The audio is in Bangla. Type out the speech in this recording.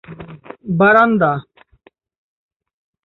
সমগ্র খেলোয়াড়ী জীবনে একটিমাত্র টেস্টে অংশগ্রহণ করেছেন শাকিল আহমেদ।